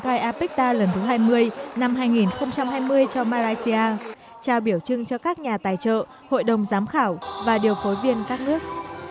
tại lễ trao giải thưởng apecta hai nghìn hai mươi cho malaysia trao biểu trưng cho các nhà tài trợ hội đồng giám khảo và điều phối viên các nước